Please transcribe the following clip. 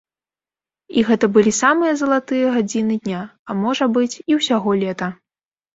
І гэта былі самыя залатыя гадзіны дня, а можа быць, і ўсяго лета.